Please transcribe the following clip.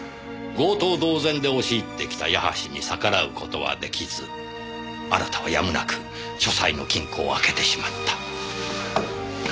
強盗同然で押し入ってきた矢橋に逆らう事は出来ずあなたはやむなく書斎の金庫を開けてしまった。